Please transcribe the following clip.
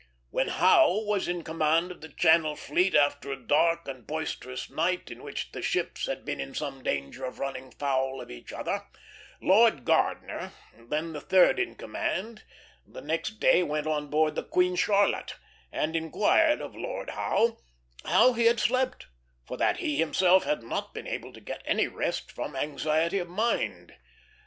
"When Howe was in command of the Channel Fleet, after a dark and boisterous night, in which the ships had been in some danger of running foul of each other, Lord Gardner, then the third in command, the next day went on board the Queen Charlotte and inquired of Lord Howe how he had slept, for that he himself had not been able to get any rest from anxiety of mind.